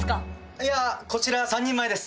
いやこちら３人前です。